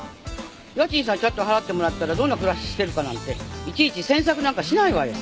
家賃さえちゃんと払ってもらったらどんな暮らししてるかなんていちいちせんさくなんかしないわよ！